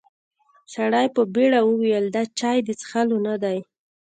سړي په بيړه وويل: دا چای د څښلو نه دی.